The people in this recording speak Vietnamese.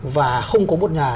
và không có một nhà